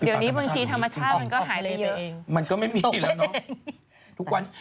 พี่มีลูกให้มันกินคนกันเองแล้วกัน